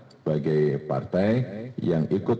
sebagai partai yang ikut